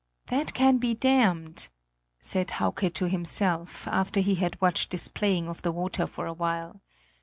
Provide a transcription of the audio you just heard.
"That can be damned!" said Hauke to himself, after he had watched this playing of the water for a while.